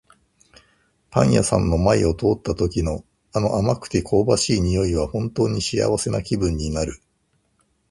パン屋さんの前を通った時の、あの甘くて香ばしい匂いは本当に幸せな気分になる。